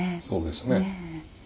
そうですね。